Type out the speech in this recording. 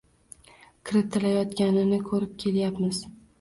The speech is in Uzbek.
kiritilayotganini ko‘rib kelyapmiz.